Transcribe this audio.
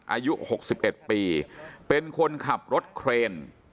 อายุหกสิบเอ็ดปีเป็นคนขับรถเครน